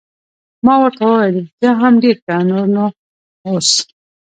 ما ورته وویل: رښتیا هم ډېر ښه، نور نو اوس.